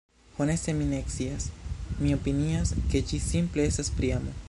Honeste mi ne scias. Mi opinias, ke ĝi simple estas pri amo.